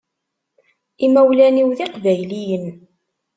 Imawlan-iw d iqbayliyen.